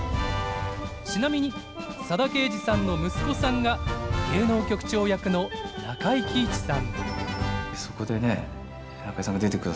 ちなみに佐田啓二さんの息子さんが芸能局長役の中井貴一さん。